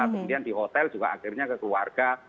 kemudian di hotel juga akhirnya ke keluarga